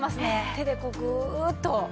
手でこうグーッと。